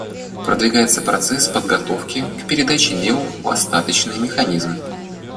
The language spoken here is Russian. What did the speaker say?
Продвигается процесс подготовки к передаче дел в Остаточный механизм.